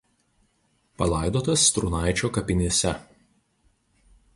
Palaidotas Strūnaičio kapinėse.